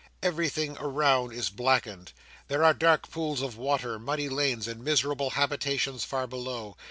Everything around is blackened. There are dark pools of water, muddy lanes, and miserable habitations far below.